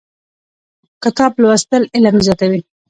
کتاب لوستل علم زیاتوي.